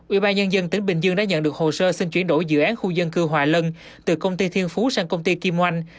ủy ban nhân dân tỉnh bình dương đã nhận được hồ sơ xin chuyển đổi dự án khu dân cư hòa lân từ công ty thiên phú sang công ty kim oanh